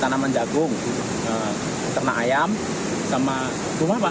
tanaman jagung ternak ayam sama rumah pak